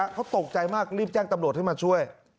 เขาตกใจมากรีบแจ้งตำรวจให้มาช่วย